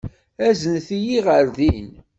Aznet-iyi ɣer din.